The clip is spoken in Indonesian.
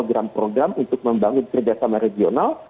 dan membangun program untuk membangun kerjasama regional